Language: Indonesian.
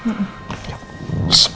pak udah tonton